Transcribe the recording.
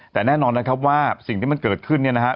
แต่แน่นอนนะครับว่าสิ่งที่มันเกิดขึ้นเนี่ยนะครับ